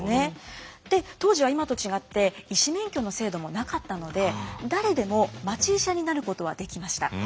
で当時は今と違って医師免許の制度もなかったので誰でも町医者になることはできました。